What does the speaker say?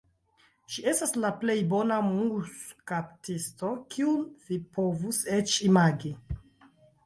Ŝi estas la plej bona muskaptisto kiun vi povus eĉ imagi.